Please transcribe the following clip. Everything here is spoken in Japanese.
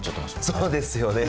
そうですよね。